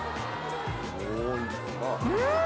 うん！